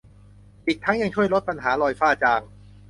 อีกทั้งยังช่วยลดปัญหารอยฝ้าจาง